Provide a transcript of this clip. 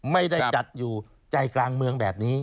ไม่ได้จัดอยู่ใจกลางเมืองแบบนี้